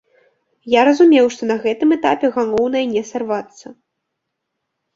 Я разумеў, што на гэтым этапе галоўнае не сарвацца.